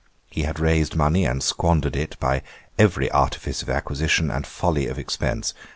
He had raised money and squandered it, by every artifice of acquisition, and folly of expence.